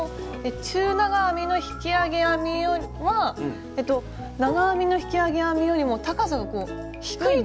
中長編みの引き上げ編みは長編みの引き上げ編みよりも高さがこう低いっていうことですよね？